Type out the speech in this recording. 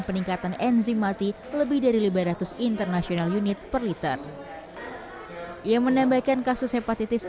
peningkatan enzim mati lebih dari lima ratus international unit per liter ia menambahkan kasus hepatitis